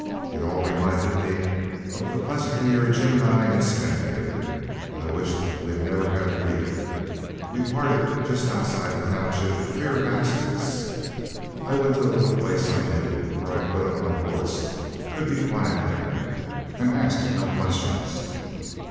It all reminded me of the pleasant year Jim and I had spent here. I wished we'd never had to leave it. We parted just outside the township for fear of accidents. I went to a little place I knew, where I put up my horse could be quiet there, and asked no questions.